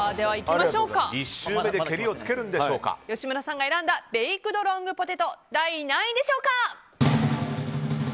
吉村さんが選んだベイクドロングポテト第何位でしょうか。